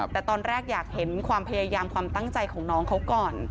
แต่ตอนแรกอยากเห็นความพยายามความตั้งใจของน้องเขาก่อน